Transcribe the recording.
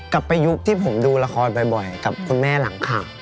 ไปยุคที่ผมดูละครบ่อยกับคุณแม่หลังข่าว